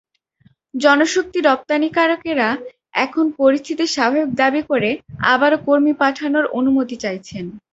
জনশক্তি রপ্তানিকারকেরা এখন পরিস্থিতি স্বাভাবিক দাবি করে আবারও কর্মী পাঠানোর অনুমতি চাইছেন।